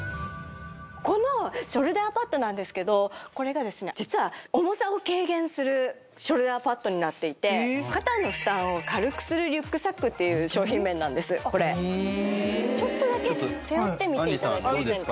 このショルダーパッドなんですけどこれがですね実は重さを軽減するショルダーパッドになっていてっていう商品名なんですこれ背負ってみていただけませんか？